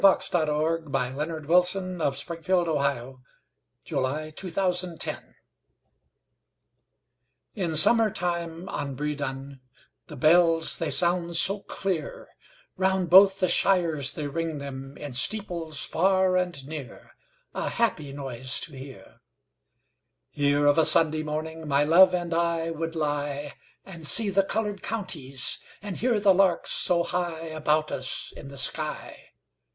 A Shropshire Lad. 1896. XXI. In summertime on Bredon Bredon 1 Hill IN summertime on BredonThe bells they sound so clear; Round both the shires they ring themIn steeples far and near,A happy noise to hear. Here of a Sunday morningMy love and I would lie, And see the coloured counties, And hear the larks so highAbout us in the sky.